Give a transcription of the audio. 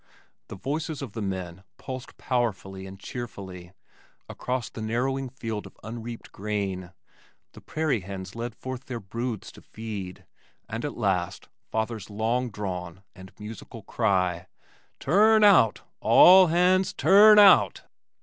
The voices of the men pulsed powerfully and cheerfully across the narrowing field of unreaped grain, the prairie hens led forth their broods to feed, and at last, father's long drawn and musical cry, "Turn OUT! All hands TURN OUT!"